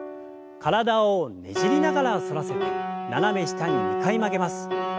体をねじりながら反らせて斜め下に２回曲げます。